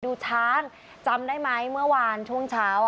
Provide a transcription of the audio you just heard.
ดูช้างจำได้ไหมเมื่อวานช่วงเช้า